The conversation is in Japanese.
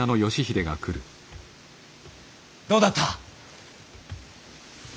どうだった？